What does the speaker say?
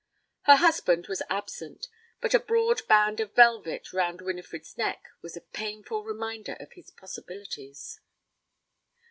Her husband was absent, but a broad band of velvet round Winifred's neck was a painful reminder of his possibilities.